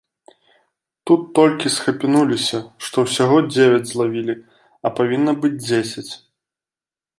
Тут толькі схапянуліся, што ўсяго дзевяць злавілі, а павінна быць дзесяць.